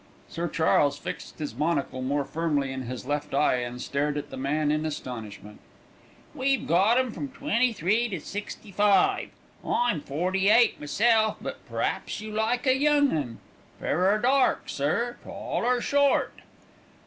'" Sir Charles fixed his monocle more firmly in his left eye, and stared at the man in astonishment. "We've got 'em from twenty three to sixty five. I'm forty eight meself, but p'r'aps you'd like a young 'un. Fair or dark, sir, tall or short?"